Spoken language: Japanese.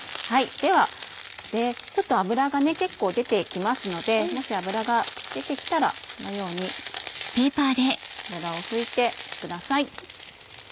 ではちょっと油が結構出て来ますのでもし油が出て来たらこのように油を拭いてください。